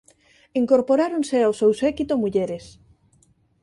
Incorporáronse ó seu séquito mulleres.